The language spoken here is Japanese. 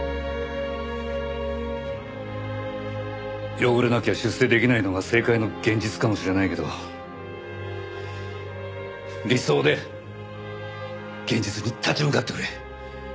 汚れなきゃ出世できないのが政界の現実かもしれないけど理想で現実に立ち向かってくれ！